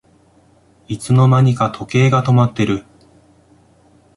いつの間にか時計が止まってる